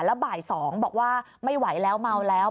แล้วบ่าย๒บอกว่าไม่ไหวแล้วเมาแล้ว